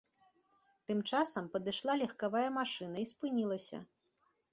Тым часам падышла легкавая машына і спынілася.